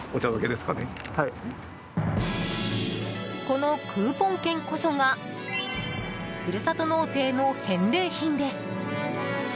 このクーポン券こそがふるさと納税の返礼品です。